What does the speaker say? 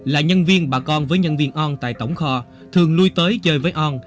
là nhân viên bà con với nhân viên on tại tổng kho thường lui tới chơi với on